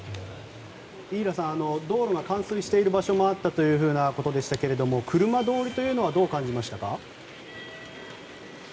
伊平さん、道路が冠水している場所もあったということですけれども車通りというのはどう感じましたか？